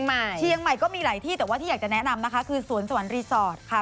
เชียงใหม่ก็มีหลายที่แต่ว่าที่อยากจะแนะนำนะคะคือสวนสวรรค์รีสอร์ทค่ะ